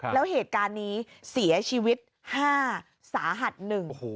แล้วเหตุการณ์นี้เสียชีวิตห้าสาหัสหนึ่ง